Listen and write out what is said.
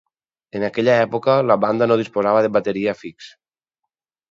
En aquella època la banda no disposava de bateria fix.